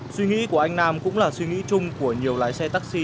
suy nghĩ của anh nam cũng là suy nghĩ chung của nhiều lái xe taxi